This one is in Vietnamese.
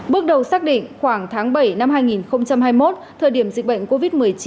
bước đầu xác định khoảng tháng bảy năm hai nghìn hai mươi một thời điểm dịch bệnh covid một mươi chín